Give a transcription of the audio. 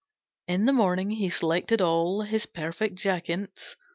In the morning he selected all His perfect jacinths.